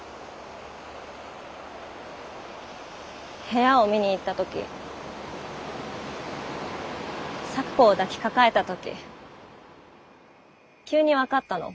部屋を見に行った時咲子を抱きかかえた時急に分かったの。